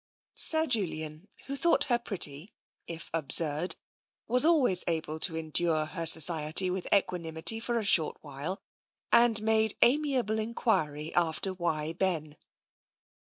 Sir Julian, who thought her pretty, if absurd, was always able to endure her society with equanimity for a short while, and made amiable enquiry after " Why, Ben!"